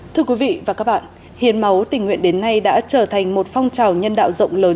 thưa quý vị và các bạn hiến máu tình nguyện đến nay đã trở thành một phong trào nhân đạo rộng lớn